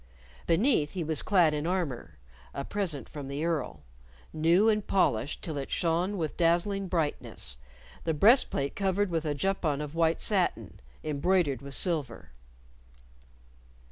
Beneath he was clad in armor (a present from the Earl), new and polished till it shone with dazzling brightness, the breastplate covered with a juppon of white satin, embroidered with silver.